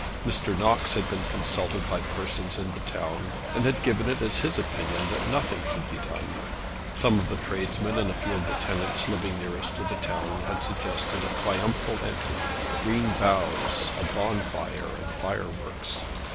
Mr. Knox had been consulted by persons in the town, and had given it as his opinion that nothing should be done. Some of the tradesmen and a few of the tenants living nearest to the town had suggested a triumphal entry, green boughs, a bonfire, and fire works.